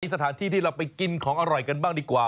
สถานที่ที่เราไปกินของอร่อยกันบ้างดีกว่า